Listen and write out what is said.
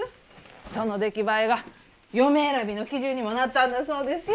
その出来栄えが嫁選びの基準にもなったんだそうですよ。